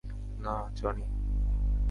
না, জনি।